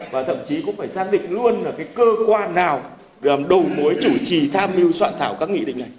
và thậm chí cũng phải xác định luôn là cái cơ quan nào đầu mối chủ trì tham mưu soạn thảo các nghị định này